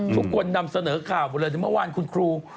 ทุกคนนำเสนอข่าวหมดเลยเดี๋ยวเมื่อวานคุณครู